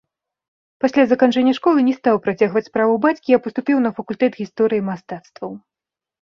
Пасля заканчэння школы не стаў працягваць справу бацькі, а паступіў на факультэт гісторыі мастацтваў.